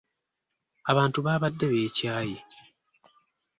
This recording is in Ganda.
Abantu baabadde beekyaye.